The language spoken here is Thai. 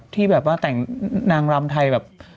ที่แบบว่าแต่งนางรำไทยแบบ